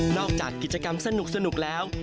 จากกิจกรรมสนุกแล้ว